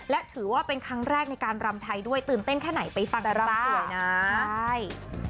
และถือว่าเป็นครั้งแรกในการรำไทยด้วยตื่นเต้นแค่ไหนไปฟังกันสวยนะใช่